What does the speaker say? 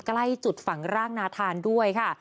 ใกล้จุดฝังร่างนาธานด้วยค่ะ